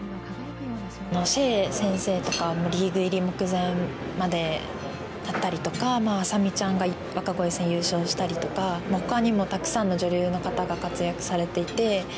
謝先生とかもうリーグ入り目前まで勝ったりとか愛咲美ちゃんが若鯉戦優勝したりとかほかにもたくさんの女流の方が活躍されていて。